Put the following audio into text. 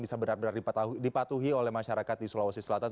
bisa benar benar dipatuhi oleh masyarakat di sulawesi selatan